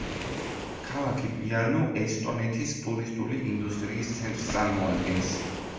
ქალაქი პიარნუ ესტონეთის ტურისტული ინდუსტრიის ცენტრს წარმოადგენს.